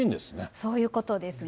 そういうことですね。